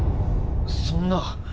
そんな。